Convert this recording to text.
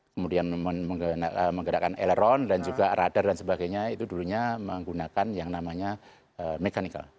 kemudian menggerakkan aileron dan juga radar dan sebagainya itu dulunya menggunakan yang namanya mechanical